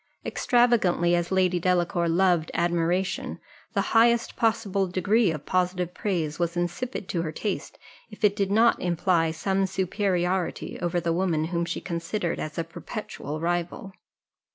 Extravagantly as Lady Delacour loved admiration, the highest possible degree of positive praise was insipid to her taste, if it did not imply some superiority over the woman whom she considered as a perpetual rival.